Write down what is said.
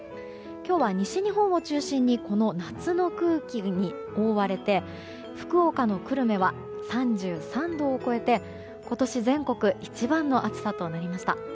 今日は西日本を中心に夏の空気に覆われて福岡の久留米は３３度を超えて今年全国一番の暑さとなりました。